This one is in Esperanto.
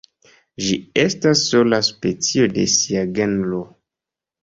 Ĝi estas sola specio de sia genro.